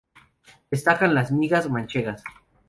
Destacan las migas manchegas.